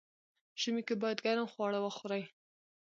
ژمی کی باید ګرم خواړه وخوري.